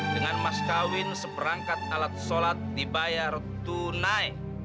dengan mas kawin seperangkat alat sholat dibayar tunai